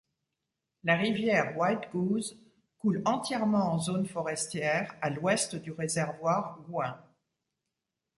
La rivière Whitegoose coule entièrement en zone forestière, à l’Ouest du réservoir Gouin.